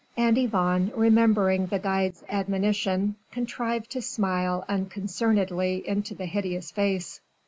And Yvonne, remembering the guide's admonitions, contrived to smile unconcernedly into the hideous face.